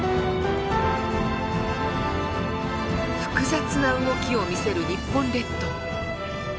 複雑な動きを見せる日本列島。